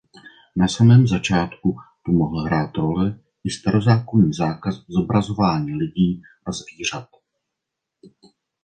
Na samém začátku tu mohl hrát roli i starozákonní zákaz zobrazování lidí a zvířat.